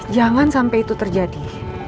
jangan sampai itu terjadi